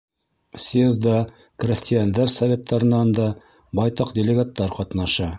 Съезда крәҫтиәндәр Советтарынан да байтаҡ делегаттар ҡатнаша.